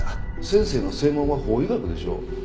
先生の専門は法医学でしょ？